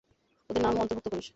ওদের নামও অন্তর্ভুক্ত করিস।